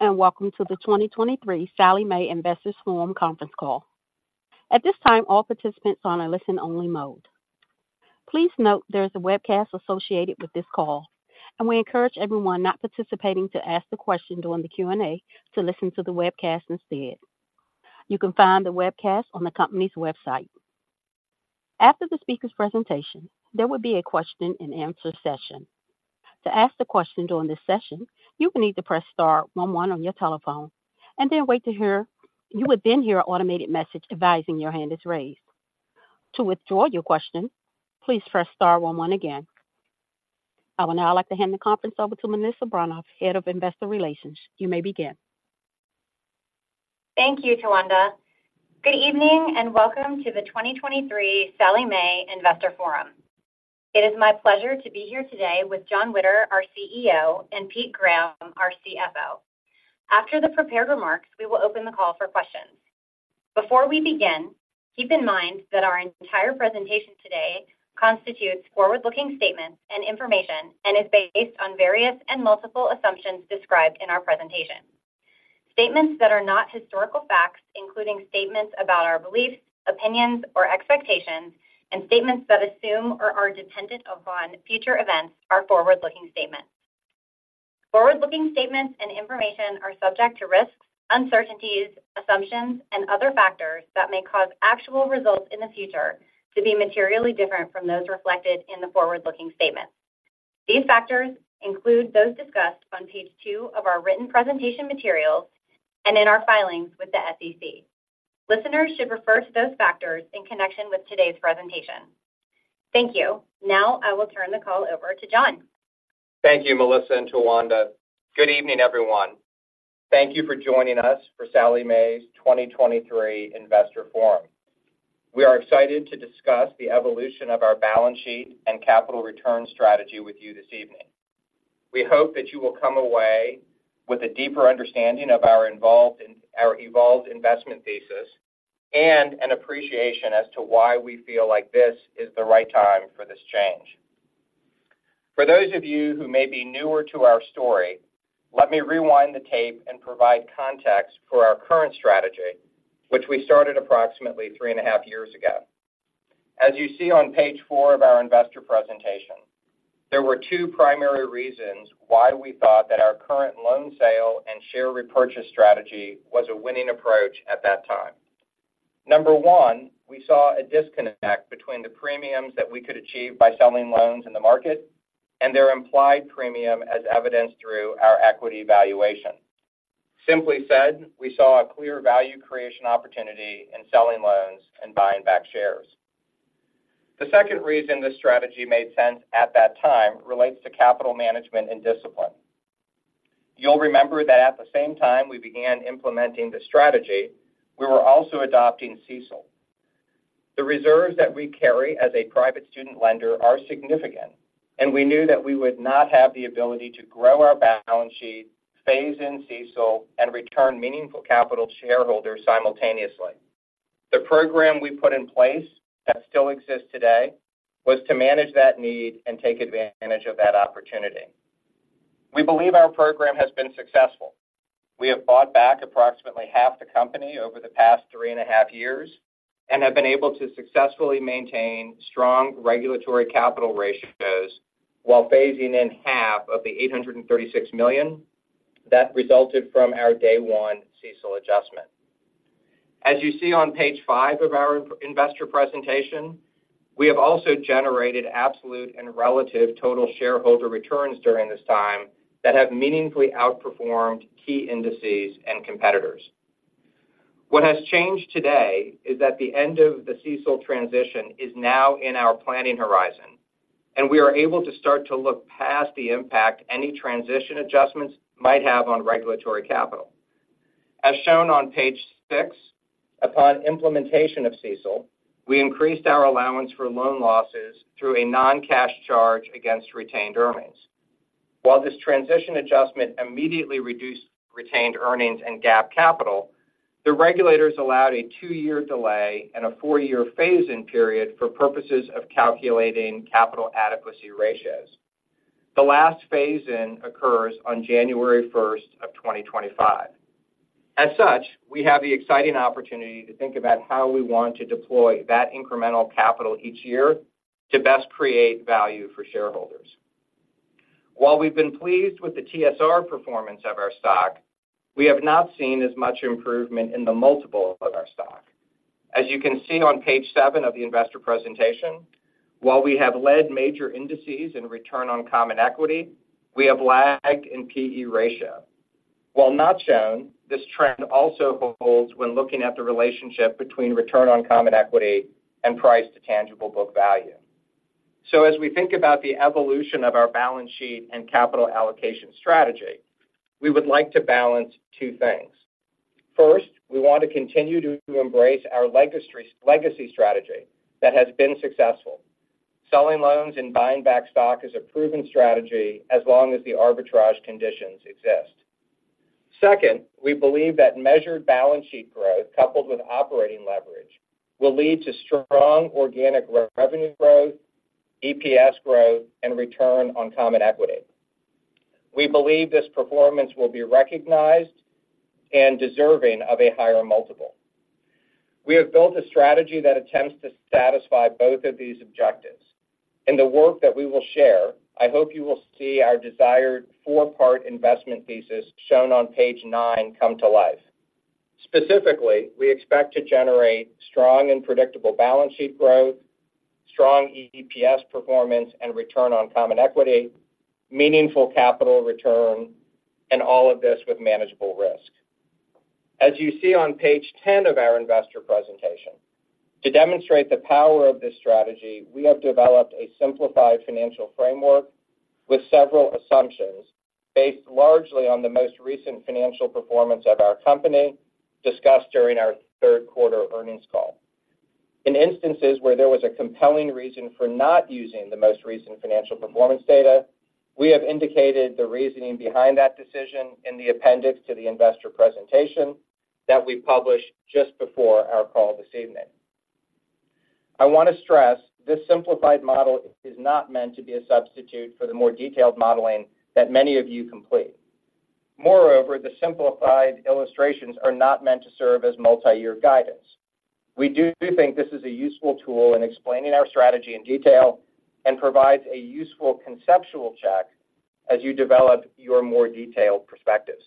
Hello, and welcome to the 2023 Sallie Mae Investors Forum Conference Call. At this time, all participants are on a listen-only mode. Please note there is a webcast associated with this call, and we encourage everyone not participating to ask the question during the Q&A to listen to the webcast instead. You can find the webcast on the company's website. After the speaker's presentation, there will be a question-and-answer session. To ask the question during this session, you will need to press star one on your telephone and then wait to hear. You would then hear an automated message advising your hand is raised. To withdraw your question, please press star one again. I would now like to hand the conference over to Melissa Bronaugh, Head of Investor Relations. You may begin. Thank you, Tawanna. Good evening, and welcome to the 2023 Sallie Mae Investor Forum. It is my pleasure to be here today with Jon Witter, our CEO, and Pete Graham, our CFO. After the prepared remarks, we will open the call for questions. Before we begin, keep in mind that our entire presentation today constitutes forward-looking statements and information and is based on various and multiple assumptions described in our presentation. Statements that are not historical facts, including statements about our beliefs, opinions, or expectations, and statements that assume or are dependent upon future events, are forward-looking statements. Forward-looking statements and information are subject to risks, uncertainties, assumptions, and other factors that may cause actual results in the future to be materially different from those reflected in the forward-looking statements. These factors include those discussed on page two of our written presentation materials and in our filings with the SEC. Listeners should refer to those factors in connection with today's presentation. Thank you. Now, I will turn the call over to Jon. Thank you, Melissa and Towanna. Good evening, everyone. Thank you for joining us for Sallie Mae's 2023 Investor Forum. We are excited to discuss the evolution of our balance sheet and capital return strategy with you this evening. We hope that you will come away with a deeper understanding of our evolved investment thesis and an appreciation as to why we feel like this is the right time for this change. For those of you who may be newer to our story, let me rewind the tape and provide context for our current strategy, which we started approximately three and a half years ago. As you see on page four of our investor presentation, there were two primary reasons why we thought that our current loan sale and share repurchase strategy was a winning approach at that time. Number one, we saw a disconnect between the premiums that we could achieve by selling loans in the market and their implied premium, as evidenced through our equity valuation. Simply said, we saw a clear value creation opportunity in selling loans and buying back shares. The second reason this strategy made sense at that time relates to capital management and discipline. You'll remember that at the same time we began implementing the strategy, we were also adopting CECL. The reserves that we carry as a private student lender are significant, and we knew that we would not have the ability to grow our balance sheet, phase in CECL, and return meaningful capital to shareholders simultaneously. The program we put in place that still exists today was to manage that need and take advantage of that opportunity. We believe our program has been successful. We have bought back approximately half the company over the past three and a half years, and have been able to successfully maintain strong regulatory capital ratios while phasing in half of the $836 million. That resulted from our day one CECL adjustment. As you see on page five of our investor presentation, we have also generated absolute and relative total shareholder returns during this time that have meaningfully outperformed key indices and competitors. What has changed today is that the end of the CECL transition is now in our planning horizon, and we are able to start to look past the impact any transition adjustments might have on regulatory capital. As shown on page six, upon implementation of CECL, we increased our allowance for loan losses through a non-cash charge against retained earnings. While this transition adjustment immediately reduced retained earnings and GAAP capital, the regulators allowed a two-year delay and a four-year phase-in period for purposes of calculating capital adequacy ratios. The last phase-in occurs on January 1st, 2025. As such, we have the exciting opportunity to think about how we want to deploy that incremental capital each year to best create value for shareholders. While we've been pleased with the TSR performance of our stock, we have not seen as much improvement in the multiple of our stock. As you can see on page seven of the investor presentation, while we have led major indices in return on common equity, we have lagged in P/E ratio. While not shown, this trend also holds when looking at the relationship between return on common equity and price to tangible book value. So as we think about the evolution of our balance sheet and capital allocation strategy, we would like to balance two things. First, we want to continue to embrace our legacy, legacy strategy that has been successful. Selling loans and buying back stock is a proven strategy as long as the arbitrage conditions exist. Second, we believe that measured balance sheet growth, coupled with operating leverage, will lead to strong organic revenue growth, EPS growth and return on common equity. We believe this performance will be recognized and deserving of a higher multiple. We have built a strategy that attempts to satisfy both of these objectives. In the work that we will share, I hope you will see our desired four-part investment thesis, shown on page nine, come to life. Specifically, we expect to generate strong and predictable balance sheet growth, strong EPS performance, and return on common equity, meaningful capital return, and all of this with manageable risk. As you see on page 10 of our investor presentation, to demonstrate the power of this strategy, we have developed a simplified financial framework with several assumptions, based largely on the most recent financial performance of our company, discussed during our third quarter earnings call. In instances where there was a compelling reason for not using the most recent financial performance data, we have indicated the reasoning behind that decision in the appendix to the investor presentation that we published just before our call this evening. I want to stress, this simplified model is not meant to be a substitute for the more detailed modeling that many of you complete. Moreover, the simplified illustrations are not meant to serve as multi-year guidance. We do think this is a useful tool in explaining our strategy in detail and provides a useful conceptual check as you develop your more detailed perspectives.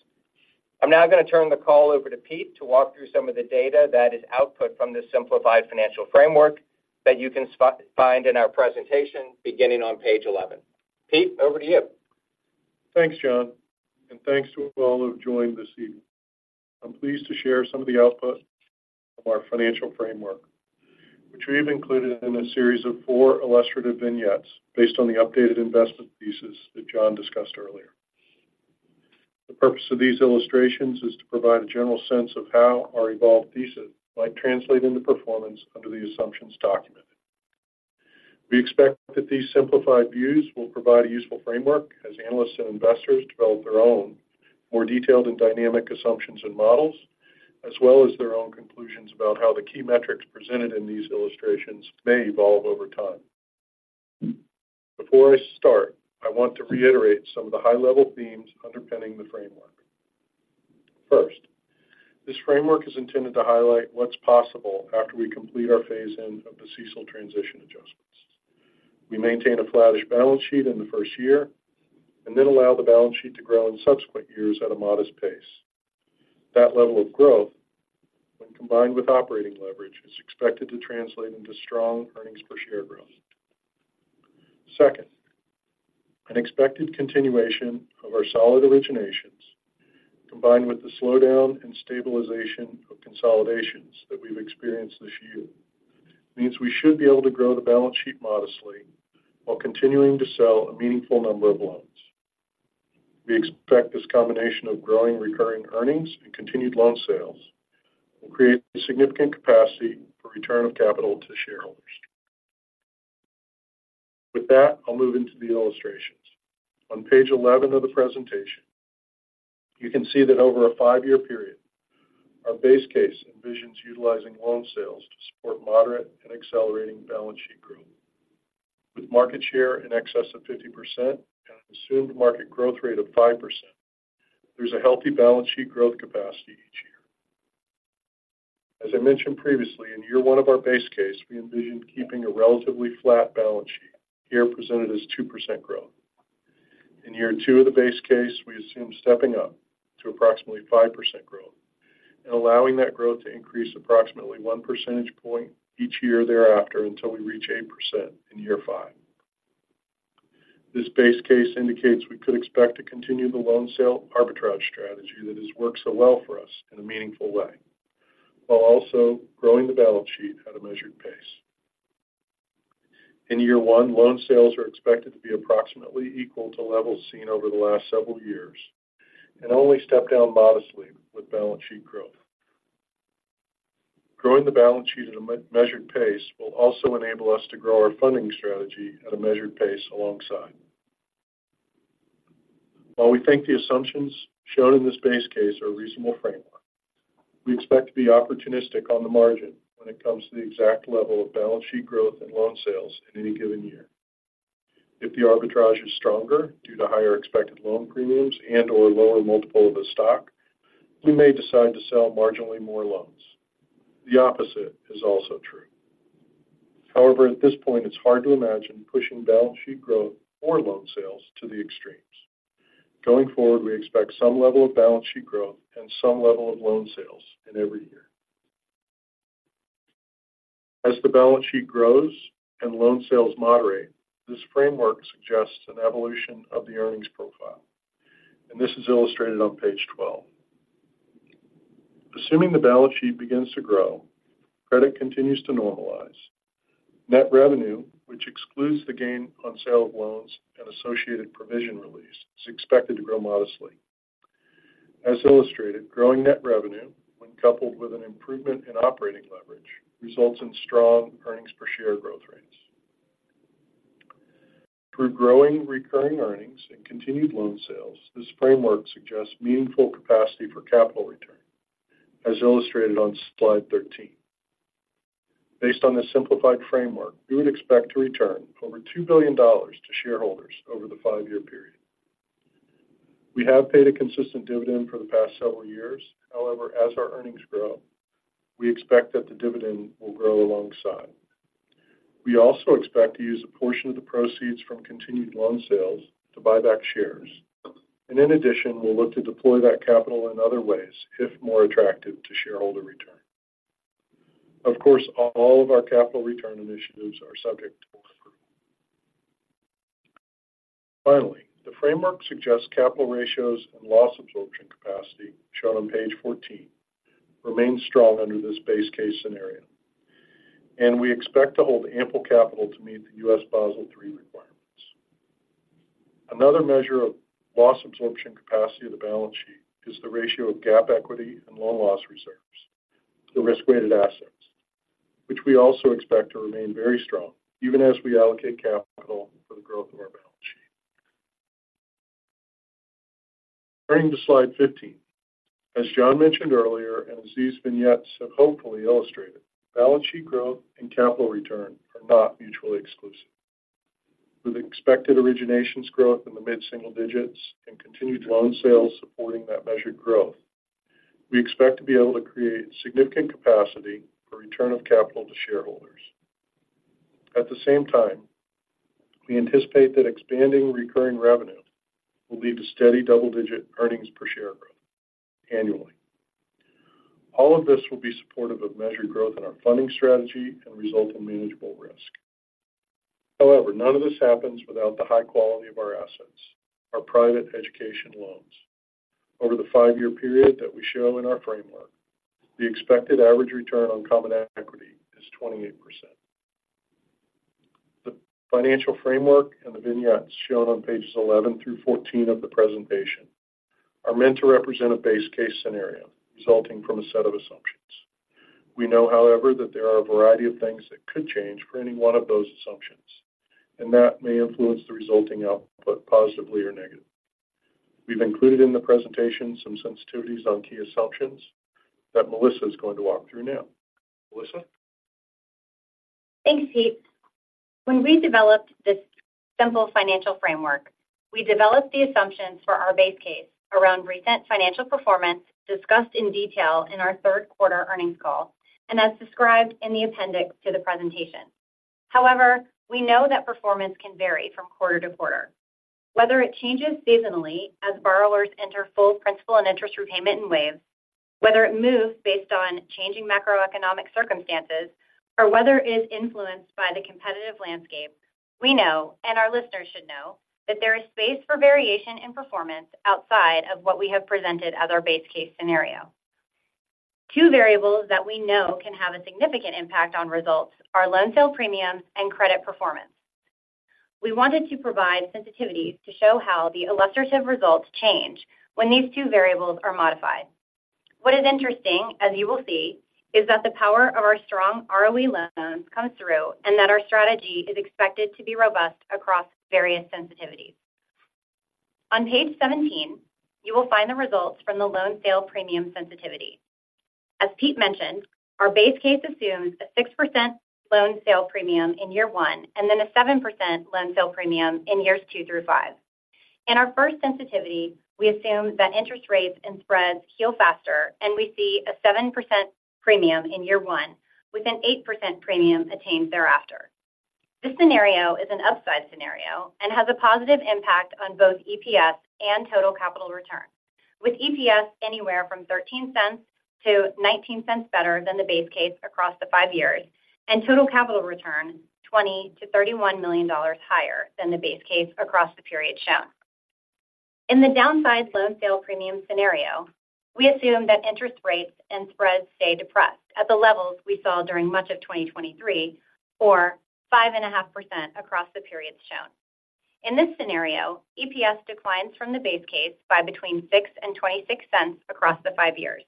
I'm now going to turn the call over to Pete to walk through some of the data that is output from this simplified financial framework that you can find in our presentation, beginning on page 11. Pete, over to you. Thanks, John, and thanks to all who have joined this evening. I'm pleased to share some of the output of our financial framework, which we've included in a series of four illustrative vignettes based on the updated investment thesis that John discussed earlier. The purpose of these illustrations is to provide a general sense of how our evolved thesis might translate into performance under the assumptions documented. We expect that these simplified views will provide a useful framework as analysts and investors develop their own more detailed and dynamic assumptions and models, as well as their own conclusions about how the key metrics presented in these illustrations may evolve over time. Before I start, I want to reiterate some of the high-level themes underpinning the framework. First, this framework is intended to highlight what's possible after we complete our phase-in of the CECL transition adjustments. We maintain a flattish balance sheet in the first year, and then allow the balance sheet to grow in subsequent years at a modest pace. That level of growth, when combined with operating leverage, is expected to translate into strong earnings per share growth. Second, an expected continuation of our solid originations, combined with the slowdown and stabilization of consolidations that we've experienced this year, means we should be able to grow the balance sheet modestly while continuing to sell a meaningful number of loans. We expect this combination of growing recurring earnings and continued loan sales will create a significant capacity for return of capital to shareholders. With that, I'll move into the illustrations. On page 11 of the presentation, you can see that over a five-year period, our base case envisions utilizing loan sales to support moderate and accelerating balance sheet growth. With market share in excess of 50% and an assumed market growth rate of 5%, there's a healthy balance sheet growth capacity each year. As I mentioned previously, in year 1 of our base case, we envisioned keeping a relatively flat balance sheet, here presented as 2% growth. In year two of the base case, we assume stepping up to approximately 5% growth and allowing that growth to increase approximately one percentage point each year thereafter until we reach 8% in year five. This base case indicates we could expect to continue the loan sale arbitrage strategy that has worked so well for us in a meaningful way, while also growing the balance sheet at a measured pace. In year one, loan sales are expected to be approximately equal to levels seen over the last several years and only step down modestly with balance sheet growth. Growing the balance sheet at a measured pace will also enable us to grow our funding strategy at a measured pace alongside. While we think the assumptions shown in this base case are a reasonable framework, we expect to be opportunistic on the margin when it comes to the exact level of balance sheet growth and loan sales in any given year. If the arbitrage is stronger due to higher expected loan premiums and/or lower multiple of the stock, we may decide to sell marginally more loans. The opposite is also true. However, at this point, it's hard to imagine pushing balance sheet growth or loan sales to the extremes. Going forward, we expect some level of balance sheet growth and some level of loan sales in every year. As the balance sheet grows and loan sales moderate, this framework suggests an evolution of the earnings profile, and this is illustrated on page 12. Assuming the balance sheet begins to grow, credit continues to normalize. Net revenue, which excludes the gain on sale of loans and associated provision release, is expected to grow modestly. As illustrated, growing net revenue, when coupled with an improvement in operating leverage, results in strong earnings per share growth rates. Through growing recurring earnings and continued loan sales, this framework suggests meaningful capacity for capital return, as illustrated on slide 13. Based on this simplified framework, we would expect to return over $2 billion to shareholders over the five-year period. We have paid a consistent dividend for the past several years. However, as our earnings grow, we expect that the dividend will grow alongside. We also expect to use a portion of the proceeds from continued loan sales to buy back shares, and in addition, we'll look to deploy that capital in other ways if more attractive to shareholder return. Of course, all of our capital return initiatives are subject to board approval. Finally, the framework suggests capital ratios and loss absorption capacity, shown on page 14, remain strong under this base case scenario, and we expect to hold ample capital to meet the U.S. Basel III requirements. Another measure of loss absorption capacity of the balance sheet is the ratio of GAAP equity and loan loss reserves to risk-weighted assets, which we also expect to remain very strong even as we allocate capital for the growth of our balance sheet. Turning to slide 15. As John mentioned earlier, and as these vignettes have hopefully illustrated, balance sheet growth and capital return are not mutually exclusive. With expected originations growth in the mid-single digits and continued loan sales supporting that measured growth, we expect to be able to create significant capacity for return of capital to shareholders. At the same time, we anticipate that expanding recurring revenue will lead to steady double-digit earnings per share growth annually. All of this will be supportive of measured growth in our funding strategy and result in manageable risk. However, none of this happens without the high quality of our assets, our private education loans. Over the five-year period that we show in our framework, the expected average return on common equity is 28%. The financial framework and the vignettes shown on pages 11 through 14 of the presentation are meant to represent a base case scenario resulting from a set of assumptions. We know, however, that there are a variety of things that could change for any one of those assumptions, and that may influence the resulting output positively or negatively. We've included in the presentation some sensitivities on key assumptions that Melissa is going to walk through now. Melissa? Thanks, Pete. When we developed this simple financial framework, we developed the assumptions for our base case around recent financial performance, discussed in detail in our third quarter earnings call and as described in the appendix to the presentation. However, we know that performance can vary from quarter-to-quarter. Whether it changes seasonally as borrowers enter full principal and interest repayment in waves, whether it moves based on changing macroeconomic circumstances, or whether it is influenced by the competitive landscape, we know, and our listeners should know, that there is space for variation in performance outside of what we have presented as our base case scenario. Two variables that we know can have a significant impact on results are loan sale premiums and credit performance. We wanted to provide sensitivities to show how the illustrative results change when these two variables are modified. What is interesting, as you will see, is that the power of our strong ROE loans comes through and that our strategy is expected to be robust across various sensitivities. On page 17, you will find the results from the loan sale premium sensitivity. As Pete mentioned, our base case assumes a 6% loan sale premium in year one, and then a 7% loan sale premium in years two through five. In our first sensitivity, we assume that interest rates and spreads heal faster, and we see a 7% premium in year one, with an 8% premium attained thereafter. This scenario is an upside scenario and has a positive impact on both EPS and total capital return, with EPS anywhere from $0.13-$0.19 better than the base case across the 5 years, and total capital return $20 million-$31 million higher than the base case across the period shown. In the downside loan sale premium scenario, we assume that interest rates and spreads stay depressed at the levels we saw during much of 2023 or 5.5% across the periods shown. In this scenario, EPS declines from the base case by between $0.06-$0.26 across the five years.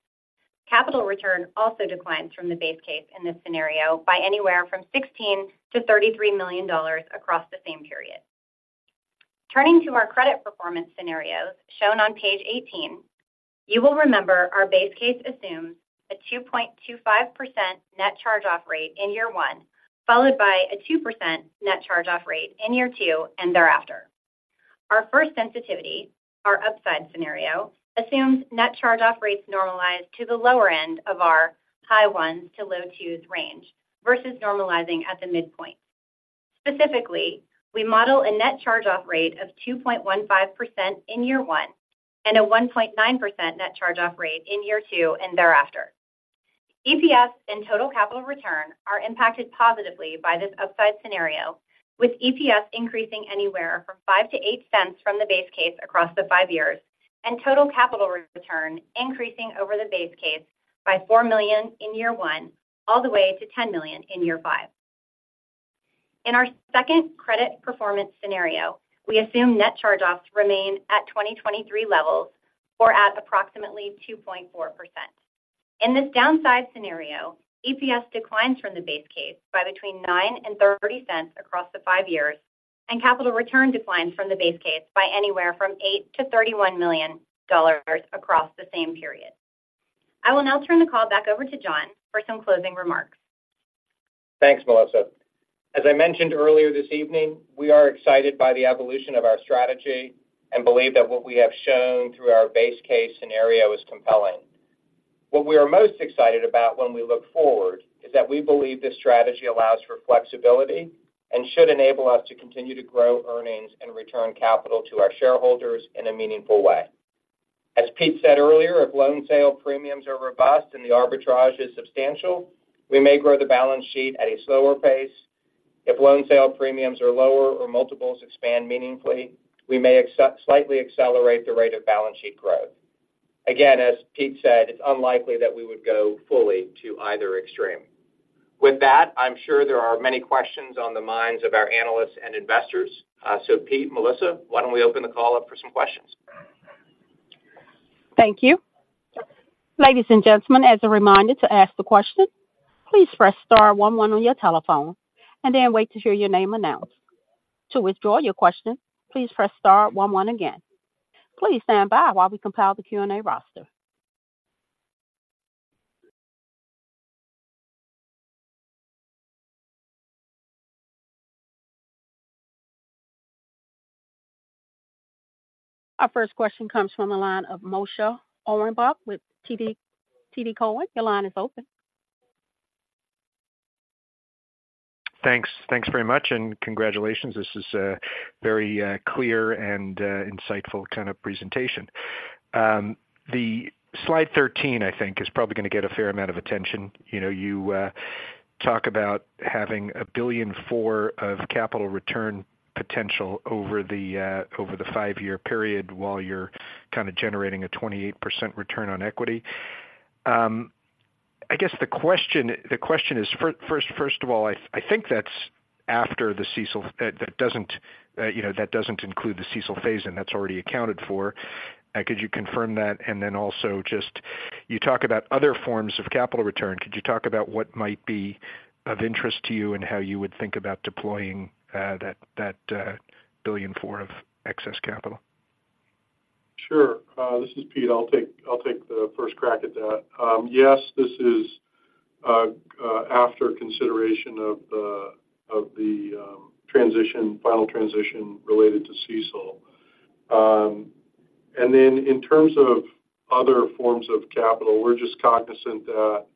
Capital return also declines from the base case in this scenario by anywhere from $16 million-$33 million across the same period. Turning to our credit performance scenarios shown on page 18, you will remember our base case assumes a 2.25% net charge-off rate in year one, followed by a 2% net charge-off rate in year two and thereafter. Our first sensitivity, our upside scenario, assumes net charge-off rates normalize to the lower end of our high ones to low twos range versus normalizing at the midpoint. Specifically, we model a net charge-off rate of 2.15% in year one and a 1.9% net charge-off rate in year two and thereafter. EPS and total capital return are impacted positively by this upside scenario, with EPS increasing anywhere from $0.05-$0.08 from the base case across the five years, and total capital return increasing over the base case by $4 million in year one, all the way to $10 million in year five. In our second credit performance scenario, we assume net charge-offs remain at 2023 levels or at approximately 2.4%. In this downside scenario, EPS declines from the base case by between $0.09 and $0.30 across the five years, and capital return declined from the base case by anywhere from $8 million-$31 million across the same period. I will now turn the call back over to John for some closing remarks. Thanks, Melissa. As I mentioned earlier this evening, we are excited by the evolution of our strategy and believe that what we have shown through our base case scenario is compelling. What we are most excited about when we look forward is that we believe this strategy allows for flexibility and should enable us to continue to grow earnings and return capital to our shareholders in a meaningful way. As Pete said earlier, if loan sale premiums are robust and the arbitrage is substantial, we may grow the balance sheet at a slower pace. If loan sale premiums are lower or multiples expand meaningfully, we may slightly accelerate the rate of balance sheet growth. Again, as Pete said, it's unlikely that we would go fully to either extreme. With that, I'm sure there are many questions on the minds of our analysts and investors. Pete, Melissa, why don't we open the call up for some questions? Thank you. Ladies and gentlemen, as a reminder to ask the question, please press star one one on your telephone and then wait to hear your name announced. To withdraw your question, please press star one one again. Please stand by while we compile the Q&A roster. Our first question comes from the line of Moshe Orenbuch with TD Cowen. Your line is open. Thanks. Thanks very much, and congratulations. This is a very, clear and, insightful kind of presentation. The slide 13, I think, is probably going to get a fair amount of attention. You know, you talk about having $1.4 billion of capital return potential over the, over the five-year period, while you're kind of generating a 28% return on equity. I guess the question is: first, first of all, I think that's after the CECL. That doesn't, you know, that doesn't include the CECL phase, and that's already accounted for. Could you confirm that? And then also just you talk about other forms of capital return. Could you talk about what might be of interest to you and how you would think about deploying that $1.4 billion of excess capital? Sure. This is Pete. I'll take, I'll take the first crack at that. Yes, this is after consideration of the transition, final transition related to CECL. And then in terms of other forms of capital, we're just cognizant that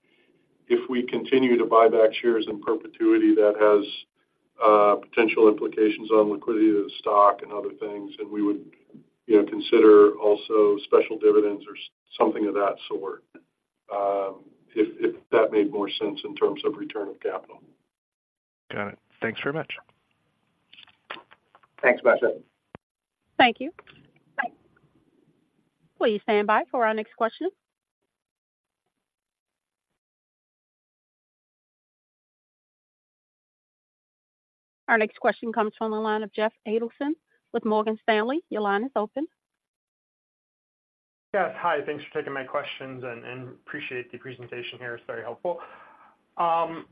if we continue to buy back shares in perpetuity, that has potential implications on liquidity of the stock and other things. And we would, you know, consider also special dividends or something of that sort, if that made more sense in terms of return of capital. Got it. Thanks very much. Thanks, Moshe. Thank you. Bye. Please stand by for our next question. Our next question comes from the line of Jeff Adelson with Morgan Stanley. Your line is open. Yes. Hi, thanks for taking my questions and appreciate the presentation here. It's very helpful. I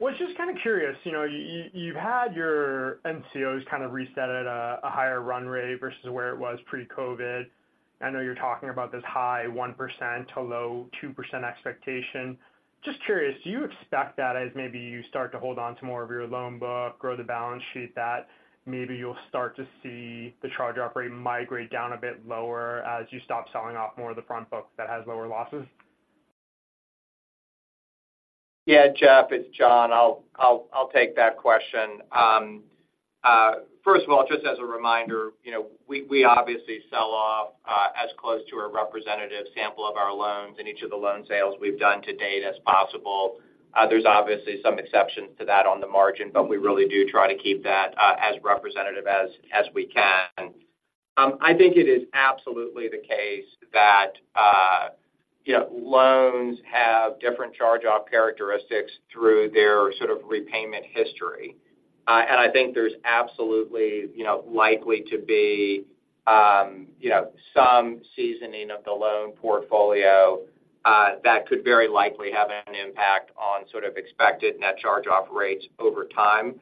was just kind of curious, you know, you've had your NCOs kind of reset at a higher run rate versus where it was pre-COVID. I know you're talking about this high 1%-low 2% expectation. Just curious, do you expect that as maybe you start to hold on to more of your loan book, grow the balance sheet, that maybe you'll start to see the charge-off rate migrate down a bit lower as you stop selling off more of the front book that has lower losses? Yeah, Jeff, it's Jon. I'll take that question. First of all, just as a reminder, you know, we obviously sell off as close to a representative sample of our loans in each of the loan sales we've done to date as possible. There's obviously some exceptions to that on the margin, but we really do try to keep that as representative as we can. I think it is absolutely the case that you know loans have different charge-off characteristics through their sort of repayment history. And I think there's absolutely you know likely to be you know some seasoning of the loan portfolio that could very likely have an impact on sort of expected net charge-off rates over time.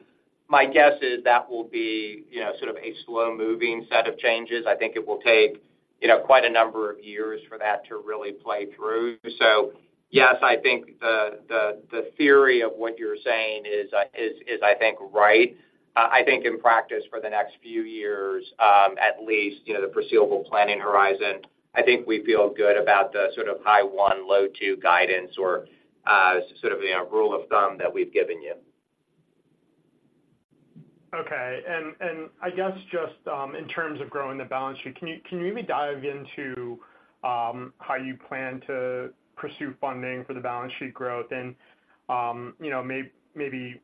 My guess is that will be you know sort of a slow-moving set of changes. I think it will take, you know, quite a number of years for that to really play through. So yes, I think the theory of what you're saying is, I think right. I think in practice for the next few years, at least, you know, the foreseeable planning horizon, I think we feel good about the sort of high 1, low 2 guidance or, sort of the rule of thumb that we've given you. Okay. And I guess just in terms of growing the balance sheet, can you maybe dive into how you plan to pursue funding for the balance sheet growth? And you know, maybe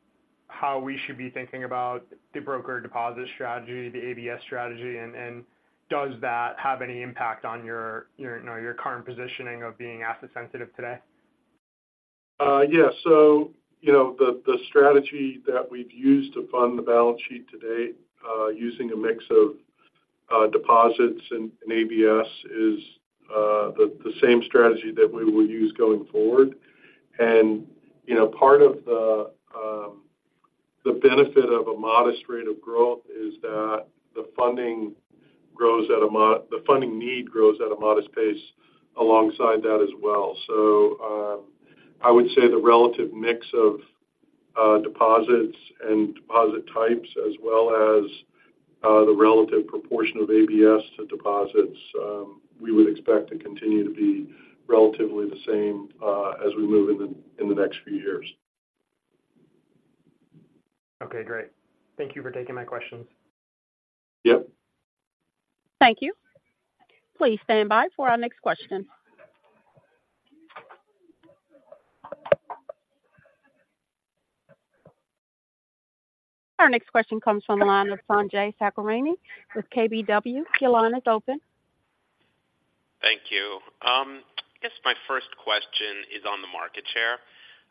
how we should be thinking about the broker deposit strategy, the ABS strategy, and does that have any impact on your you know, your current positioning of being asset sensitive today? Yes. So, you know, the strategy that we've used to fund the balance sheet to date, using a mix of deposits and ABS is the same strategy that we will use going forward. And, you know, part of the benefit of a modest rate of growth is that the funding need grows at a modest pace alongside that as well. So, I would say the relative mix of deposits and deposit types, as well as the relative proportion of ABS to deposits, we would expect to continue to be relatively the same, as we move in the next few years. Okay, great. Thank you for taking my questions. Yep. Thank you. Please stand by for our next question. Our next question comes from the line of Sanjay Sakhrani with KBW. Your line is open. Thank you. I guess my first question is on the market share.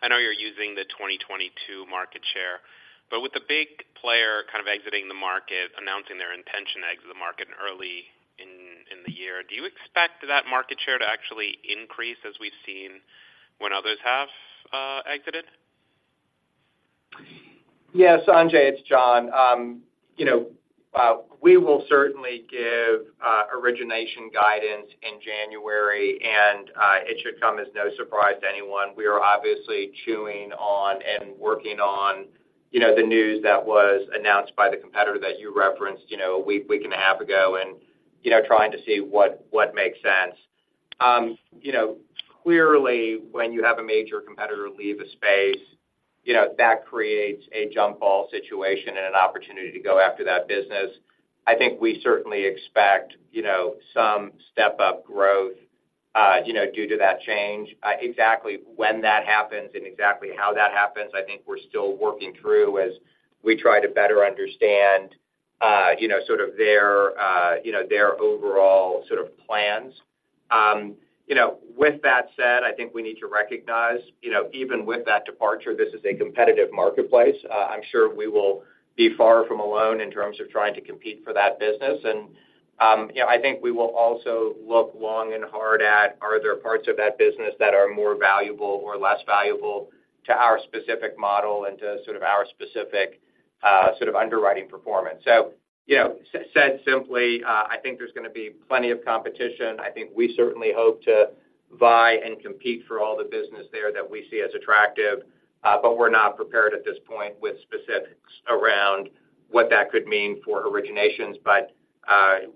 I know you're using the 2022 market share, but with the big player kind of exiting the market, announcing their intention to exit the market early in the year, do you expect that market share to actually increase as we've seen when others have exited? Yeah, Sanjay, it's Jon. You know, we will certainly give origination guidance in January, and it should come as no surprise to anyone. We are obviously chewing on and working on, you know, the news that was announced by the competitor that you referenced, you know, a week, week and a half ago, and, you know, trying to see what, what makes sense. You know, clearly, when you have a major competitor leave a space, you know, that creates a jump ball situation and an opportunity to go after that business. I think we certainly expect, you know, some step-up growth, you know, due to that change. Exactly when that happens and exactly how that happens, I think we're still working through as we try to better understand, you know, sort of their, you know, their overall sort of plans. You know, with that said, I think we need to recognize, you know, even with that departure, this is a competitive marketplace. I'm sure we will be far from alone in terms of trying to compete for that business. And, you know, I think we will also look long and hard at, are there parts of that business that are more valuable or less valuable to our specific model and to sort of our specific, sort of underwriting performance. So, you know, said simply, I think there's going to be plenty of competition. I think we certainly hope to vie and compete for all the business there that we see as attractive, but we're not prepared at this point with specifics around what that could mean for originations.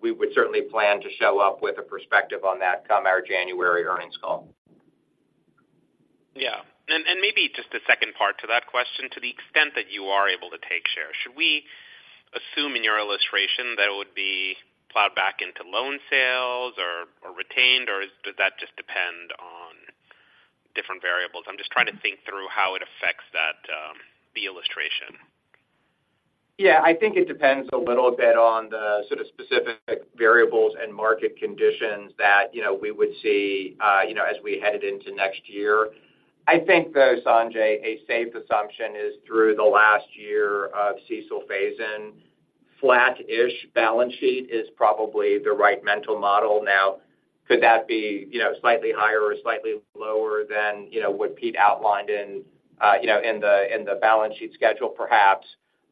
We would certainly plan to show up with a perspective on that come our January earnings call. Yeah. And maybe just a second part to that question, to the extent that you are able to take share, should we assume in your illustration that it would be plowed back into loan sales or retained, or does that just depend on different variables? I'm just trying to think through how it affects that, the illustration. Yeah, I think it depends a little bit on the sort of specific variables and market conditions that, you know, we would see, you know, as we headed into next year. I think, though, Sanjay, a safe assumption is through the last year of CECL phase-in, flat-ish balance sheet is probably the right mental model. Now, could that be, you know, slightly higher or slightly lower than, you know, what Pete outlined in, you know, in the balance sheet schedule? Perhaps.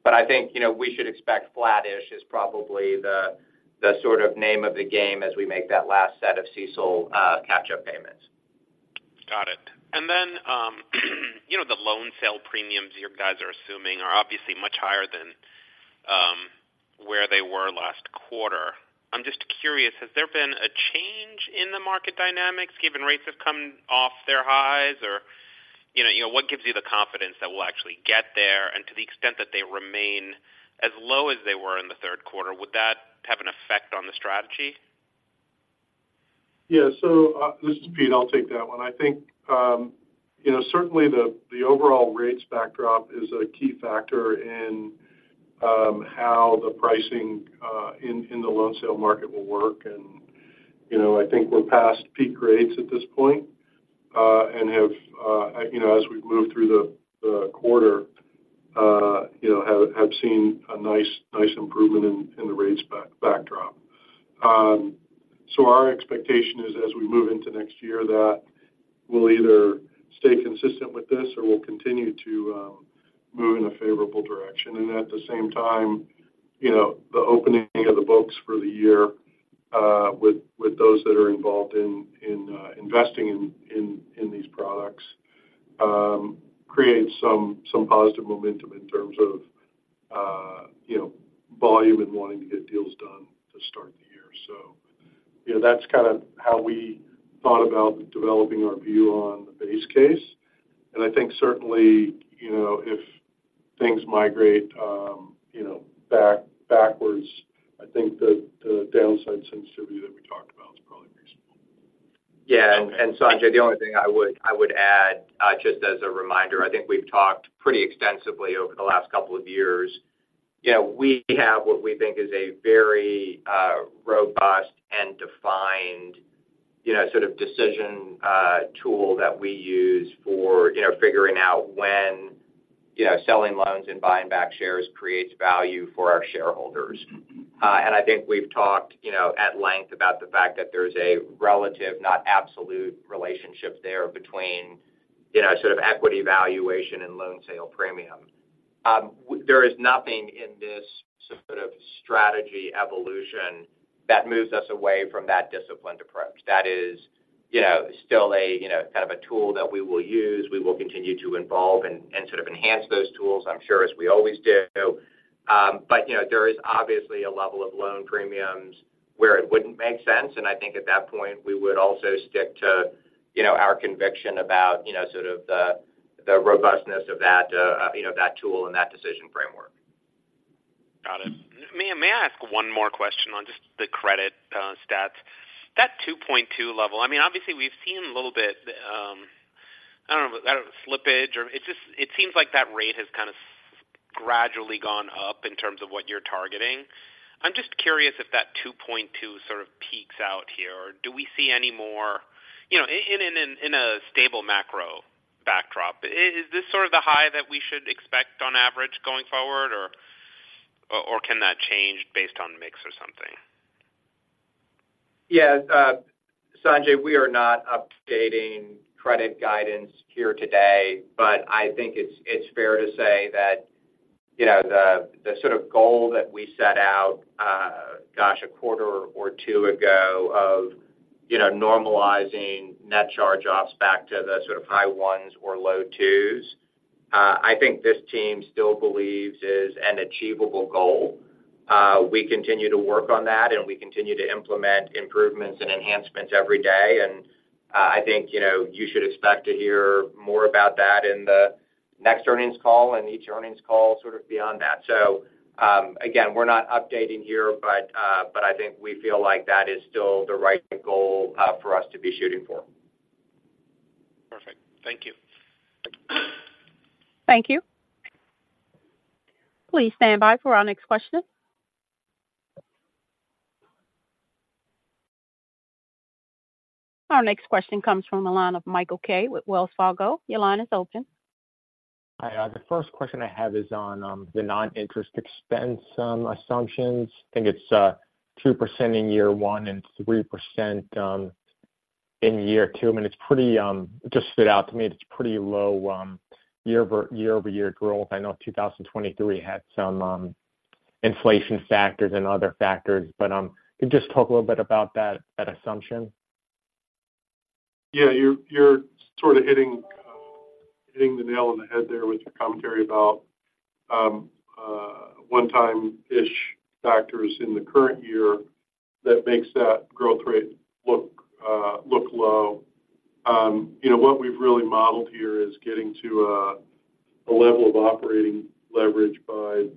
But I think, you know, we should expect flat-ish is probably the sort of name of the game as we make that last set of CECL catch-up payments. Got it. And then, you know, the loan sale premiums you guys are assuming are obviously much higher than where they were last quarter. I'm just curious, has there been a change in the market dynamics given rates have come off their highs? Or, you know, you know, what gives you the confidence that we'll actually get there, and to the extent that they remain as low as they were in the third quarter, would that have an effect on the strategy? Yeah. So, this is Pete. I'll take that one. I think, you know, certainly the overall rates backdrop is a key factor in how the pricing in the loan sale market will work. And, you know, I think we're past peak rates at this point, and have, you know, as we've moved through the quarter, you know, have seen a nice improvement in the rates backdrop. So our expectation is as we move into next year, that we'll either stay consistent with this or we'll continue to move in a favorable direction. And at the same time, you know, the opening of the books for the year with those that are involved in investing in these products creates some positive momentum in terms of, you know, volume and wanting to get deals done to start the year. So, you know, that's kind of how we thought about developing our view on the base case. And I think certainly, you know, if things migrate, you know, backwards, I think the downside sensitivity that we talked about is probably reasonable. Yeah. Okay. Sanjay, the only thing I would add, just as a reminder, I think we've talked pretty extensively over the last couple of years. You know, we have what we think is a very robust and defined, you know, sort of decision tool that we use for, you know, figuring out when you know, selling loans and buying back shares creates value for our shareholders. And I think we've talked, you know, at length about the fact that there's a relative, not absolute relationship there between, you know, sort of equity valuation and loan sale premium. There is nothing in this sort of strategy evolution that moves us away from that disciplined approach. That is, you know, still a, you know, kind of a tool that we will use. We will continue to evolve and sort of enhance those tools, I'm sure, as we always do. But, you know, there is obviously a level of loan premiums where it wouldn't make sense, and I think at that point, we would also stick to, you know, our conviction about, you know, sort of the robustness of that, you know, that tool and that decision framework. Got it. May I ask one more question on just the credit stats? That 2.2 level, I mean, obviously, we've seen a little bit, I don't know, slippage, or it just, it seems like that rate has kind of gradually gone up in terms of what you're targeting. I'm just curious if that 2.2 sort of peaks out here, or do we see any more. You know, in a stable macro backdrop, is this sort of the high that we should expect on average going forward, or can that change based on mix or something? Yeah, Sanjay, we are not updating credit guidance here today, but I think it's fair to say that, you know, the sort of goal that we set out, gosh, a quarter or two ago of, you know, normalizing net charge-offs back to the sort of high ones or low twos, I think this team still believes is an achievable goal. We continue to work on that, and we continue to implement improvements and enhancements every day. And, I think, you know, you should expect to hear more about that in the next earnings call and each earnings call sort of beyond that. So, again, we're not updating here, but, but I think we feel like that is still the right goal, for us to be shooting for. Perfect. Thank you. Thank you. Please stand by for our next question. Our next question comes from the line of Michael Kaye with Wells Fargo. Your line is open. Hi. The first question I have is on the non-interest expense assumptions. I think it's 2% in year one and 3% in year two. I mean, it's pretty just stood out to me that it's pretty low year-over-year growth. I know 2023 had some inflation factors and other factors, but can you just talk a little bit about that assumption? Yeah, you're sort of hitting the nail on the head there with your commentary about one-time-ish factors in the current year that makes that growth rate look low. You know, what we've really modeled here is getting to a level of operating leverage by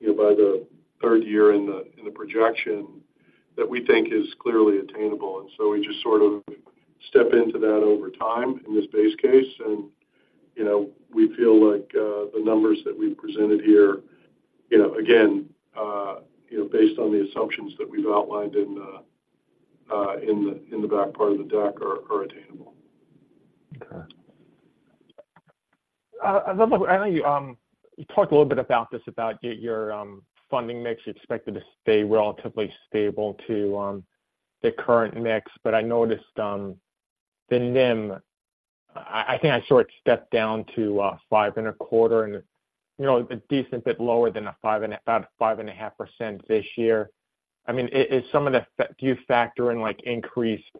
you know, by the third year in the projection that we think is clearly attainable. And so we just sort of step into that over time in this base case. And, you know, we feel like the numbers that we've presented here, you know, again, you know, based on the assumptions that we've outlined in the back part of the deck are attainable. Okay. Another I know, you talked a little bit about this, about get your, funding mix expected to stay relatively stable to, the current mix, but I noticed, the NIM, I, I think I saw it step down to, 5.25%, and, you know, a decent bit lower than a five and a-- about a 5.5% this year. I mean, is some of the do you factor in, like, increased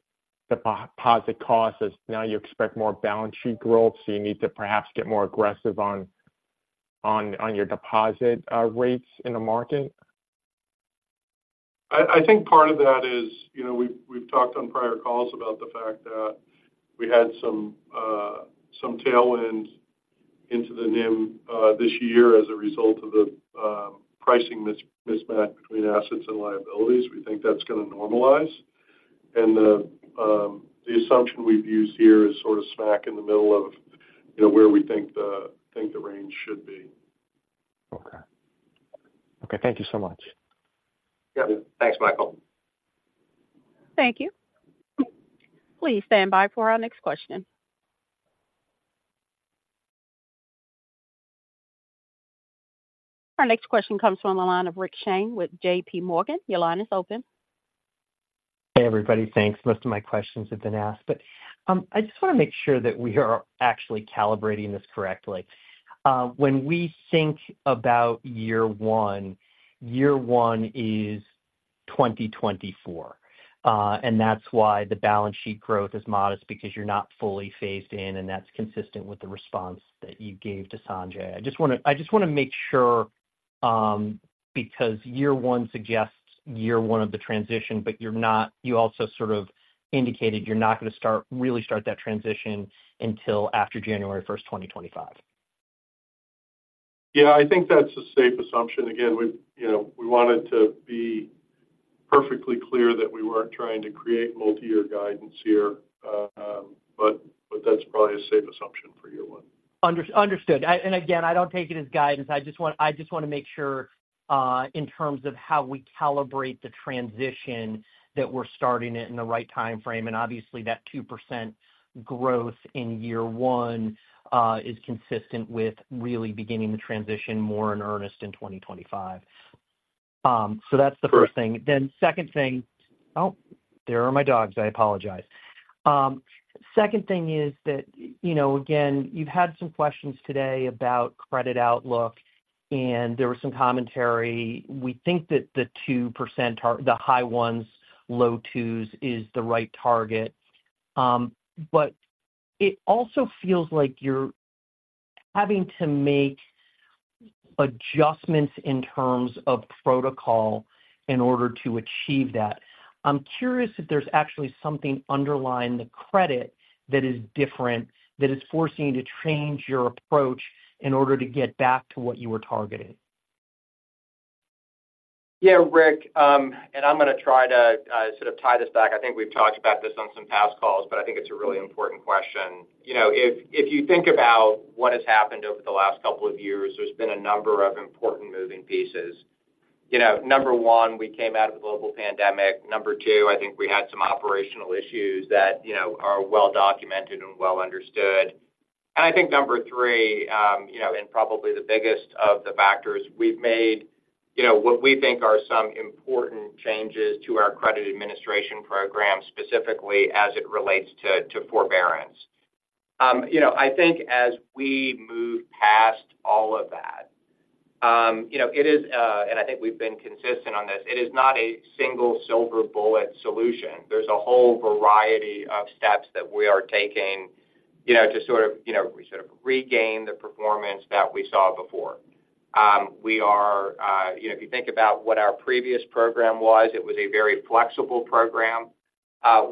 deposit costs, as now you expect more balance sheet growth, so you need to perhaps get more aggressive on, on, on your deposit, rates in the market? I think part of that is, you know, we've talked on prior calls about the fact that we had some tailwind into the NIM this year as a result of the pricing mismatch between assets and liabilities. We think that's going to normalize. And the assumption we've used here is sort of smack in the middle of, you know, where we think the range should be. Okay. Okay, thank you so much. Yeah. Thanks, Michael. Thank you. Please stand by for our next question. Our next question comes from the line of Rick Shane with JP Morgan. Your line is open. Hey, everybody. Thanks. Most of my questions have been asked, but I just want to make sure that we are actually calibrating this correctly. When we think about year one, year one is 2024, and that's why the balance sheet growth is modest because you're not fully phased in, and that's consistent with the response that you gave to Sanjay. I just want to, I just want to make sure, because year one suggests year one of the transition, but you're not, you also sort of indicated you're not going to start, really start that transition until after January 1st, 2025. Yeah, I think that's a safe assumption. Again, we, you know, we wanted to be perfectly clear that we weren't trying to create multi-year guidance here, but that's probably a safe assumption for year one. Understood. And again, I don't take it as guidance. I just want, I just want to make sure, in terms of how we calibrate the transition, that we're starting it in the right time frame. And obviously, that 2% growth in year one is consistent with really beginning the transition more in earnest in 2025.... so that's the first thing. Then second thing— Oh, there are my dogs. I apologize. Second thing is that, you know, again, you've had some questions today about credit outlook, and there was some commentary. We think that the 2%, the high 1s, low 2s is the right target. But it also feels like you're having to make adjustments in terms of protocol in order to achieve that. I'm curious if there's actually something underlying the credit that is different, that is forcing you to change your approach in order to get back to what you were targeting. Yeah, Rick, and I'm going to try to sort of tie this back. I think we've talked about this on some past calls, but I think it's a really important question. You know, if you think about what has happened over the last couple of years, there's been a number of important moving pieces. You know, number one, we came out of the global pandemic. Number two, I think we had some operational issues that, you know, are well documented and well understood. And I think number three, you know, and probably the biggest of the factors we've made, you know, what we think are some important changes to our credit administration program, specifically as it relates to forbearance. You know, I think as we move past all of that, you know, it is, and I think we've been consistent on this, it is not a single silver bullet solution. There's a whole variety of steps that we are taking, you know, to sort of, you know, sort of regain the performance that we saw before. We are, you know, if you think about what our previous program was, it was a very flexible program.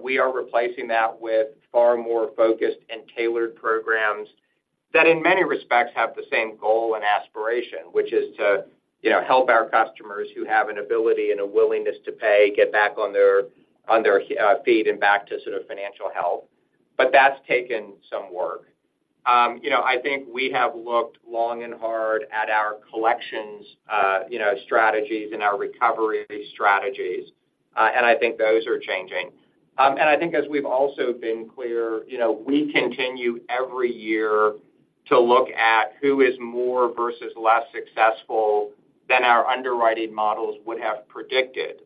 We are replacing that with far more focused and tailored programs that, in many respects, have the same goal and aspiration, which is to, you know, help our customers who have an ability and a willingness to pay, get back on their feet and back to sort of financial health. But that's taken some work. You know, I think we have looked long and hard at our collections, you know, strategies and our recovery strategies, and I think those are changing. And I think as we've also been clear, you know, we continue every year to look at who is more versus less successful than our underwriting models would have predicted.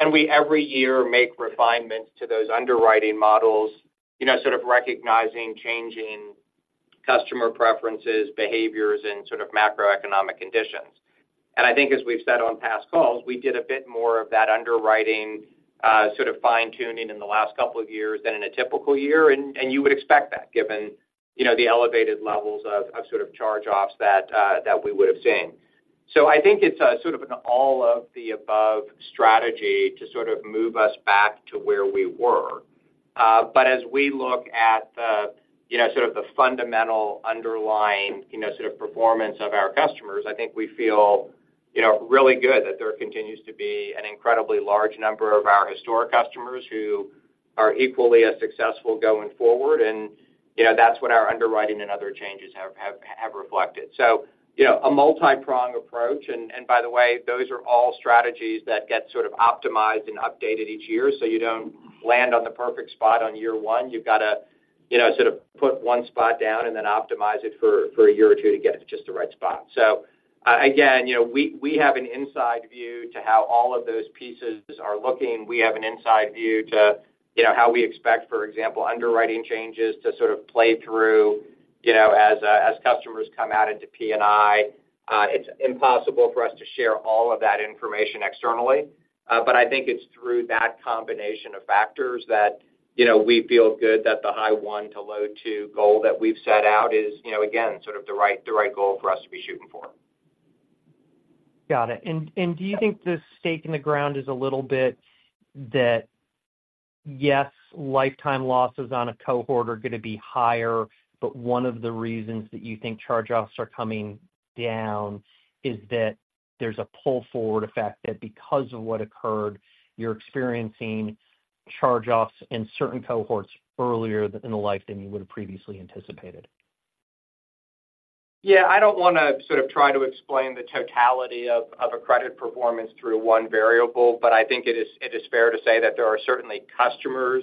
And we, every year, make refinements to those underwriting models, you know, sort of recognizing, changing customer preferences, behaviors, and sort of macroeconomic conditions. And I think as we've said on past calls, we did a bit more of that underwriting, sort of fine-tuning in the last couple of years than in a typical year. And you would expect that given, you know, the elevated levels of sort of charge-offs that we would have seen. So I think it's a sort of an all of the above strategy to sort of move us back to where we were. But as we look at the, you know, sort of the fundamental underlying, you know, sort of performance of our customers, I think we feel, you know, really good that there continues to be an incredibly large number of our historic customers who are equally as successful going forward. And, you know, that's what our underwriting and other changes have reflected. So, you know, a multipronged approach. And by the way, those are all strategies that get sort of optimized and updated each year. So you don't land on the perfect spot on year one. You've got to, you know, sort of put one spot down and then optimize it for, for a year or two to get it to just the right spot. So, again, you know, we have an inside view to how all of those pieces are looking. We have an inside view to, you know, how we expect, for example, underwriting changes to sort of play through, you know, as, as customers come out into P&I. It's impossible for us to share all of that information externally, but I think it's through that combination of factors that, you know, we feel good that the high 1 to low 2 goal that we've set out is, you know, again, sort of the right, the right goal for us to be shooting for. Got it. And do you think this stake in the ground is a little bit that, yes, lifetime losses on a cohort are going to be higher, but one of the reasons that you think charge-offs are coming down is that there's a pull forward effect, that because of what occurred, you're experiencing charge-offs in certain cohorts earlier in the life than you would have previously anticipated? Yeah, I don't want to sort of try to explain the totality of a credit performance through one variable, but I think it is fair to say that there are certainly customers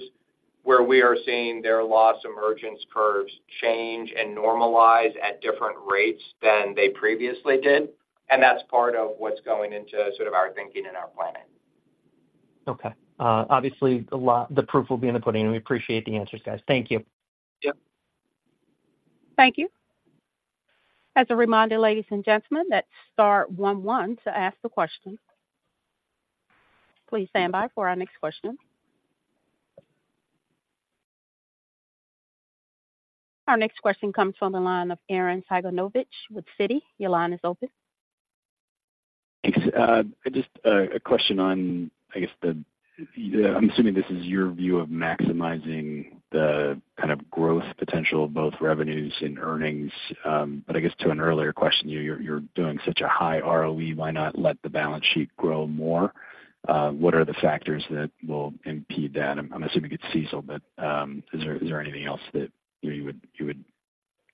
where we are seeing their loss emergence curves change and normalize at different rates than they previously did, and that's part of what's going into sort of our thinking and our planning. Okay. Obviously, a lot, the proof will be in the pudding, and we appreciate the answers, guys. Thank you. Yep. Thank you. As a reminder, ladies and gentlemen, that's star one one to ask the question. Please stand by for our next question. Our next question comes from the line of Arren Cyganovich with Citi. Your line is open. Thanks. Just a question on, I guess, the—I'm assuming this is your view of maximizing the kind of growth potential of both revenues and earnings. But I guess to an earlier question, you're, you're doing such a high ROE, why not let the balance sheet grow more? What are the factors that will impede that? I'm assuming it's CECL, but, is there, is there anything else that you would, you would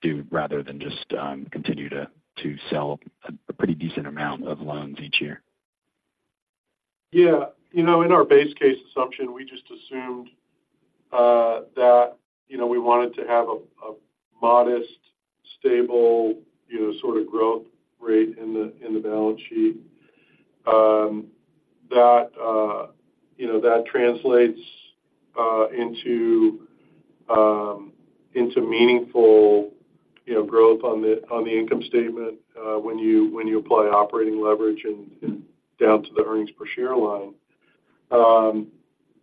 do rather than just continue to, to sell a pretty decent amount of loans each year? Yeah, you know, in our base case assumption, we just assumed that, you know, we wanted to have a modest, stable, you know, sort of growth rate in the balance sheet. That, you know, that translates into meaningful, you know, growth on the income statement when you apply operating leverage and down to the earnings per share line. And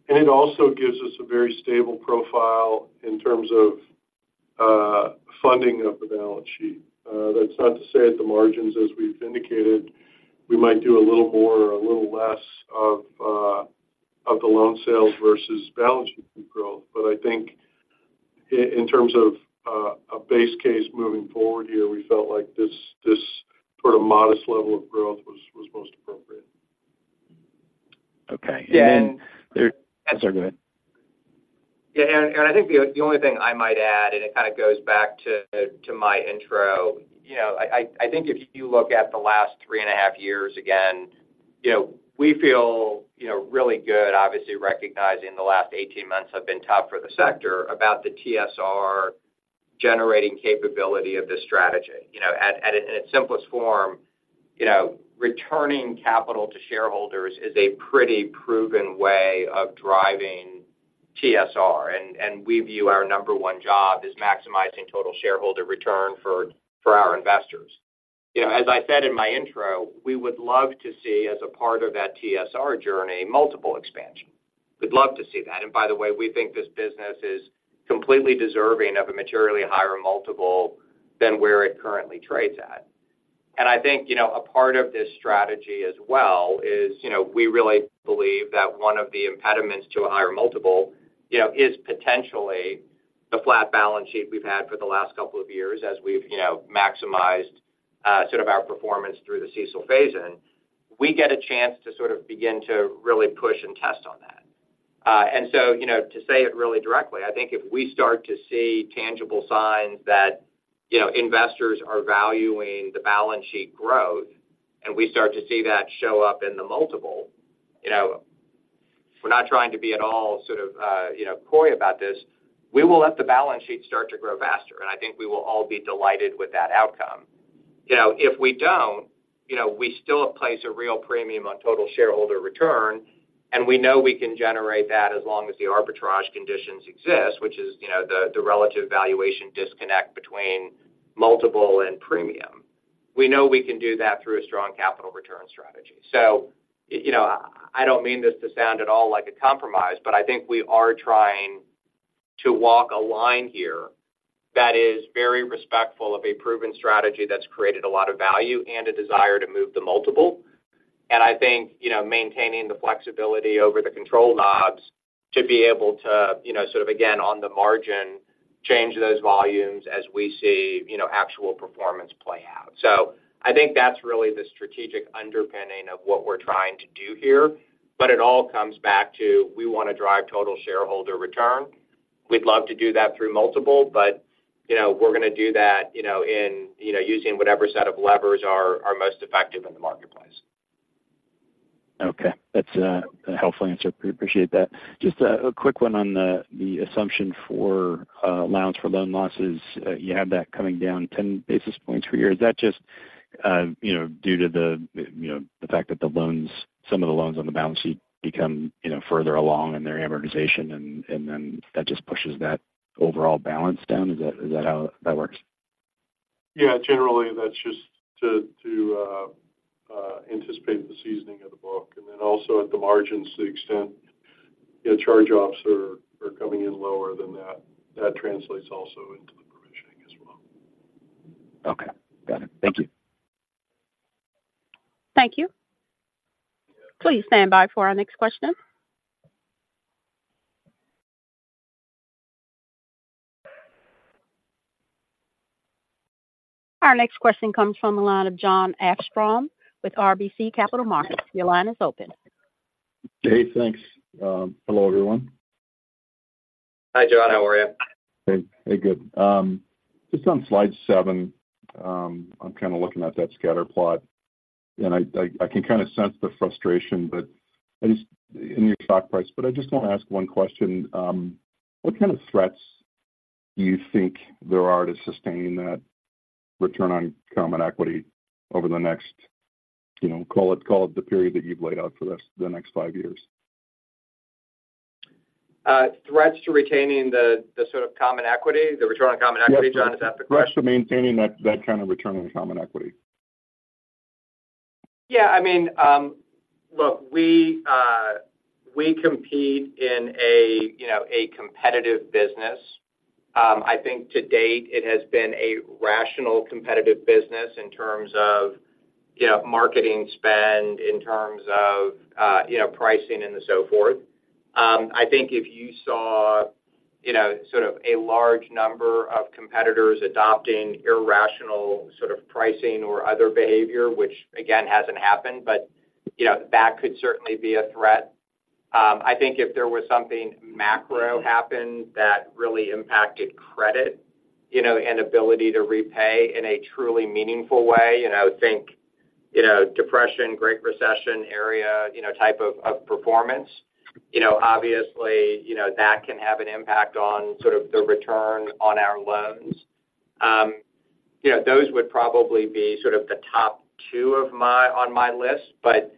it also gives us a very stable profile in terms of funding of the balance sheet. That's not to say at the margins, as we've indicated, we might do a little more or a little less of the loan sales versus balance sheet growth. But I think in terms of a base case moving forward here, we felt like this sort of modest level of growth was most appropriate. Okay. Yeah, and- So good. Yeah, and I think the only thing I might add, and it kind of goes back to my intro. You know, I think if you look at the last three and a half years, again, you know, we feel, you know, really good, obviously, recognizing the last 18 months have been tough for the sector, about the TSR generating capability of this strategy. You know, at, in its simplest form, you know, returning capital to shareholders is a pretty proven way of driving TSR, and we view our number one job is maximizing total shareholder return for our investors. You know, as I said in my intro, we would love to see, as a part of that TSR journey, multiple expansion. We'd love to see that. And by the way, we think this business is completely deserving of a materially higher multiple than where it currently trades at. And I think, you know, a part of this strategy as well is, you know, we really believe that one of the impediments to a higher multiple, you know, is potentially the flat balance sheet we've had for the last couple of years as we've, you know, maximized sort of our performance through the CECL phase-in. We get a chance to sort of begin to really push and test on that. And so, you know, to say it really directly, I think if we start to see tangible signs that, you know, investors are valuing the balance sheet growth, and we start to see that show up in the multiple, you know, we're not trying to be at all sort of, you know, coy about this. We will let the balance sheet start to grow faster, and I think we will all be delighted with that outcome. You know, if we don't, you know, we still place a real premium on total shareholder return, and we know we can generate that as long as the arbitrage conditions exist, which is, you know, the, the relative valuation disconnect between multiple and premium. We know we can do that through a strong capital return strategy. So, you know, I don't mean this to sound at all like a compromise, but I think we are trying to walk a line here that is very respectful of a proven strategy that's created a lot of value and a desire to move the multiple. And I think, you know, maintaining the flexibility over the control knobs to be able to, you know, sort of again, on the margin, change those volumes as we see, you know, actual performance play out. So I think that's really the strategic underpinning of what we're trying to do here, but it all comes back to: we want to drive total shareholder return. We'd love to do that through multiple, but, you know, we're going to do that, you know, in, you know, using whatever set of levers are most effective in the marketplace. Okay. That's a helpful answer. Appreciate that. Just a quick one on the assumption for allowance for loan losses. You have that coming down 10 basis points per year. Is that just, you know, due to the, you know, the fact that the loans, some of the loans on the balance sheet become, you know, further along in their amortization, and then that just pushes that overall balance down? Is that how that works? Yeah, generally, that's just to anticipate the seasoning of the book. And then also at the margins, to the extent, you know, charge-offs are coming in lower than that. That translates also into the provisioning as well. Okay, got it. Thank you. Thank you. Please stand by for our next question. Our next question comes from the line of John Hecht with RBC Capital Markets. Your line is open. Hey, thanks. Hello, everyone. Hi, John. How are you? Hey, hey, good. Just on slide seven, I'm kind of looking at that scatter plot, and I can kind of sense the frustration, but I just in your stock price. But I just want to ask one question. What kind of threats do you think there are to sustaining that return on common equity over the next, you know, call it, call it the period that you've laid out for the the next five years? Threats to retaining the sort of common equity, the return on common equity, John? Yes. Is that the question? Threats to maintaining that kind of return on common equity. Yeah, I mean, look, we, we compete in a, you know, a competitive business. I think to date, it has been a rational, competitive business in terms of, you know, marketing spend, in terms of, you know, pricing and so forth. I think if you saw, you know, sort of a large number of competitors adopting irrational sort of pricing or other behavior, which again, hasn't happened, but, you know, that could certainly be a threat. I think if there was something macro happened that really impacted credit, you know, and ability to repay in a truly meaningful way, you know, think, you know, depression, Great Recession area, you know, type of, of performance. You know, obviously, you know, that can have an impact on sort of the return on our loans. You know, those would probably be sort of the top two of my-- on my list. But,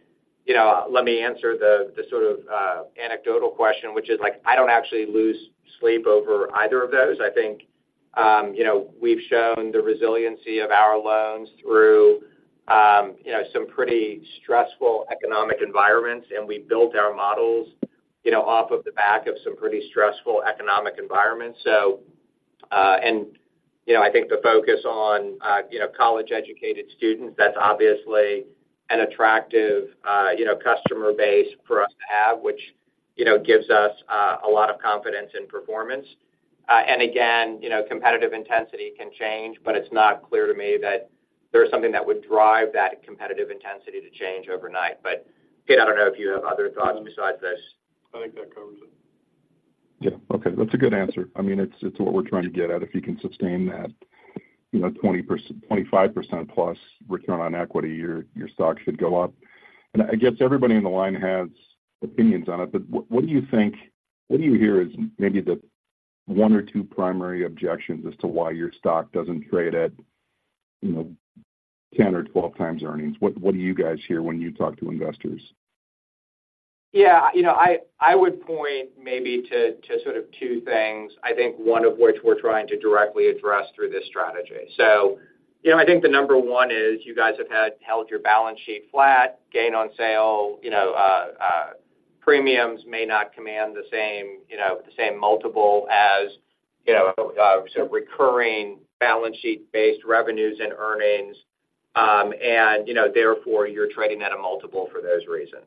you know, let me answer the, the sort of, anecdotal question, which is, like, I don't actually lose sleep over either of those. I think, you know, we've shown the resiliency of our loans through, you know, some pretty stressful economic environments, and we built our models, you know, off of the back of some pretty stressful economic environments. So, and, you know, I think the focus on, you know, college-educated students, that's obviously an attractive, you know, customer base for us to have, which, you know, gives us, a lot of confidence and performance. And again, you know, competitive intensity can change, but it's not clear to me that there's something that would drive that competitive intensity to change overnight. But, Pete, I don't know if you have other thoughts besides this. I think that covers it. Yeah. Okay, that's a good answer. I mean, it's, it's what we're trying to get at. If you can sustain that, you know, 20%-25% plus return on equity, your, your stock should go up. And I guess everybody on the line has opinions on it, but what do you think, what do you hear is maybe the one or two primary objections as to why your stock doesn't trade at, you know, 10 or 12 times earnings? What, what do you guys hear when you talk to investors? Yeah, you know, I would point maybe to sort of two things. I think one of which we're trying to directly address through this strategy. So, you know, I think the number one is you guys have had held your balance sheet flat, gain on sale, you know, premiums may not command the same, you know, the same multiple as, you know, sort of recurring balance sheet-based revenues and earnings. And, you know, therefore, you're trading at a multiple for those reasons.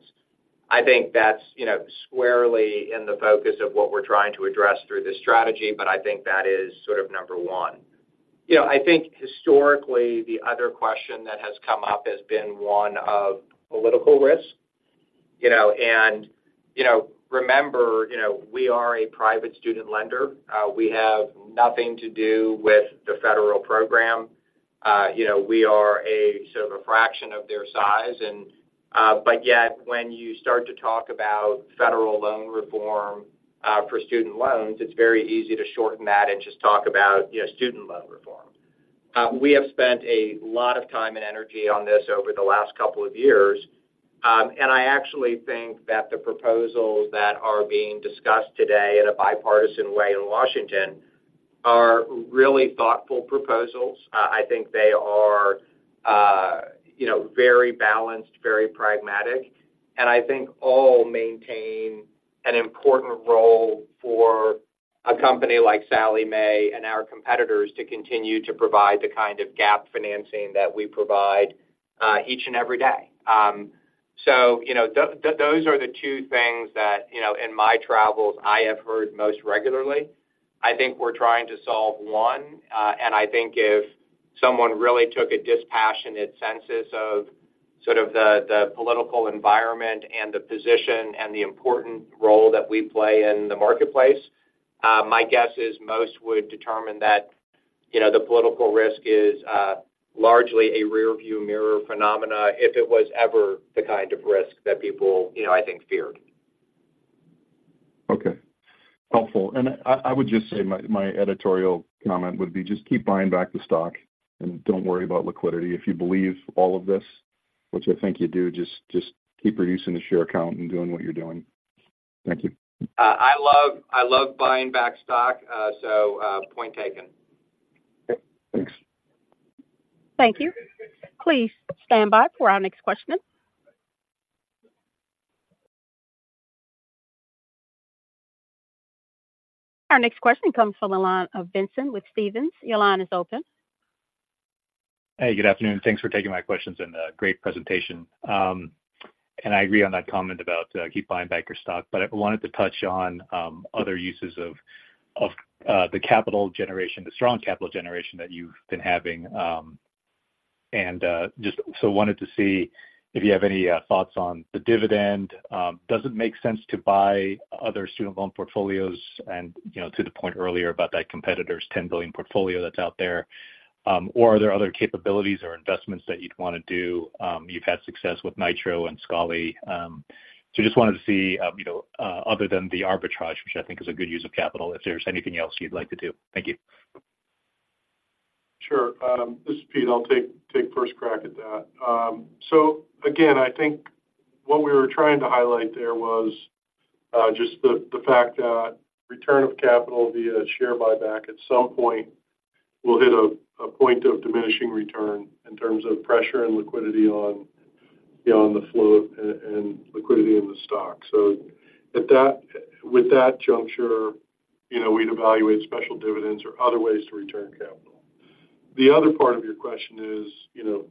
I think that's, you know, squarely in the focus of what we're trying to address through this strategy, but I think that is sort of number one. You know, I think historically, the other question that has come up has been one of political risk. You know, and, you know, remember, you know, we are a private student lender. We have nothing to do with the federal program. You know, we are a sort of a fraction of their size. But yet, when you start to talk about federal loan reform for student loans, it's very easy to shorten that and just talk about, you know, student loan reform. We have spent a lot of time and energy on this over the last couple of years. I actually think that the proposals that are being discussed today in a bipartisan way in Washington are really thoughtful proposals. I think they are, you know, very balanced, very pragmatic, and I think all maintain an important role for a company like Sallie Mae and our competitors to continue to provide the kind of gap financing that we provide each and every day. So, you know, those are the two things that, you know, in my travels, I have heard most regularly. I think we're trying to solve one, and I think if someone really took a dispassionate census of sort of the political environment and the position and the important role that we play in the marketplace, my guess is most would determine that, you know, the political risk is largely a rearview mirror phenomena, if it was ever the kind of risk that people, you know, I think, feared. Okay. Helpful. And I would just say my editorial comment would be, just keep buying back the stock and don't worry about liquidity. If you believe all of this, which I think you do, just keep reducing the share count and doing what you're doing. Thank you. I love, I love buying back stock, so point taken. Okay, thanks. Thank you. Please stand by for our next question. Our next question comes from the line of Vincent with Stephens. Your line is open. Hey, good afternoon. Thanks for taking my questions and great presentation. And I agree on that comment about keep buying back your stock. But I wanted to touch on other uses of the capital generation, the strong capital generation that you've been having, and just so wanted to see if you have any thoughts on the dividend. Does it make sense to buy other student loan portfolios? And, you know, to the point earlier about that competitor's $10 billion portfolio that's out there. Or are there other capabilities or investments that you'd wanna do? You've had success with Nitro and Scholly. So just wanted to see, you know, other than the arbitrage, which I think is a good use of capital, if there's anything else you'd like to do. Thank you. Sure. This is Pete. I'll take first crack at that. So again, I think what we were trying to highlight there was just the fact that return of capital via share buyback at some point will hit a point of diminishing return in terms of pressure and liquidity on, you know, on the float and liquidity in the stock. So at that juncture, you know, we'd evaluate special dividends or other ways to return capital. The other part of your question is, you know,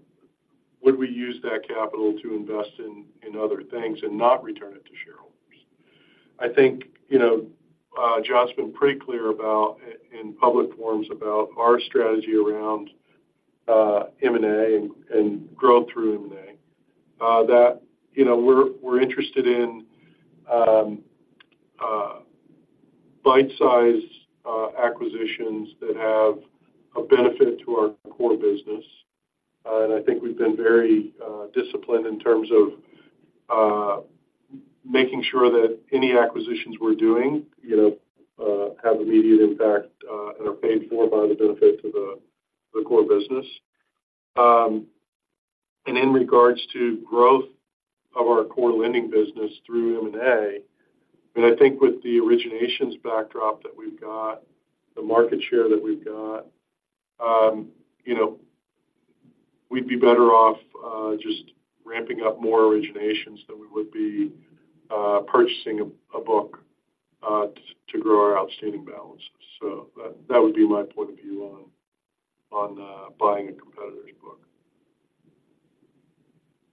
would we use that capital to invest in other things and not return it to shareholders? I think, you know, Jon's been pretty clear about, in public forums, about our strategy around M&A and growth through M&A. That, you know, we're interested in bite-sized acquisitions that have a benefit to our core business. And I think we've been very disciplined in terms of making sure that any acquisitions we're doing, you know, have immediate impact and are paid for by the benefit to the core business. And in regards to growth of our core lending business through M&A, and I think with the originations backdrop that we've got, the market share that we've got, you know, we'd be better off just ramping up more originations than we would be purchasing a book to grow our outstanding balances. So that would be my point of view on buying a competitor's book.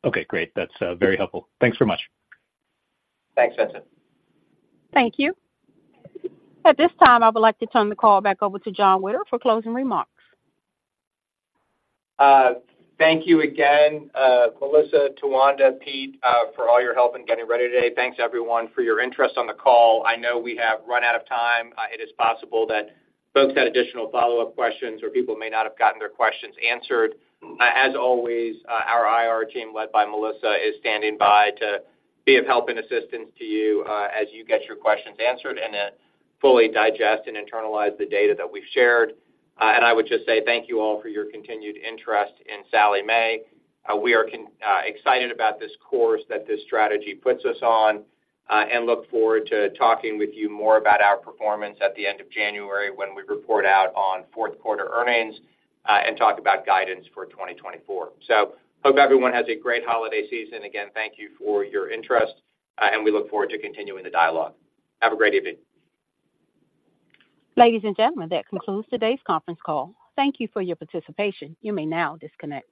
Okay, great. That's very helpful. Thanks so much. Thanks, Vincent. Thank you. At this time, I would like to turn the call back over to Jon Witter for closing remarks. Thank you again, Melissa, Towanda, Pete, for all your help in getting ready today. Thanks, everyone, for your interest on the call. I know we have run out of time. It is possible that folks had additional follow-up questions, or people may not have gotten their questions answered. As always, our IR team, led by Melissa, is standing by to be of help and assistance to you, as you get your questions answered and then fully digest and internalize the data that we've shared. I would just say thank you all for your continued interest in Sallie Mae. We are excited about this course that this strategy puts us on, and look forward to talking with you more about our performance at the end of January when we report out on fourth quarter earnings, and talk about guidance for 2024. So hope everyone has a great holiday season. Again, thank you for your interest, and we look forward to continuing the dialogue. Have a great evening. Ladies and gentlemen, that concludes today's conference call. Thank you for your participation. You may now disconnect.